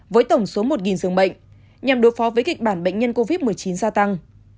với tổng số một giường bệnh nhằm đối phó với kịch bản bệnh nhân covid một mươi chín gia tăng